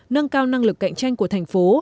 nâng cao năng lực cạnh tranh của thành phố